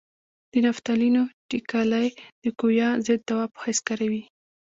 د نفتالینو ټېکلې د کویه ضد دوا په حیث کاروي.